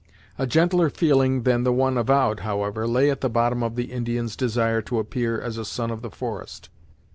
A gentler feeling than the one avowed, however, lay at the bottom of the Indian's desire to appear as a son of the forest.